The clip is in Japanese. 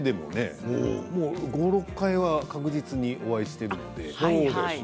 ５、６回は確実にお会いしていますよね。